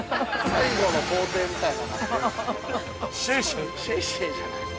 最後の皇帝みたいなの。